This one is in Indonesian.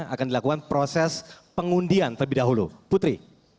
akan dilakukan proses pengundian terlebih dahulu putri